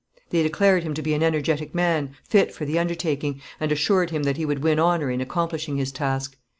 They declared him to be an energetic man, fit for the undertaking, and assured him that he would win honour in accomplishing his task.